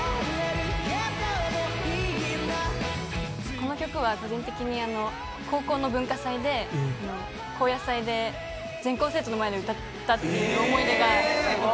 この曲は個人的に高校の文化祭で後夜祭で全校生徒の前で歌ったっていう思い出があって。